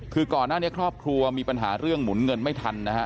คือก่อนหน้านี้ครอบครัวมีปัญหาเรื่องหมุนเงินไม่ทันนะฮะ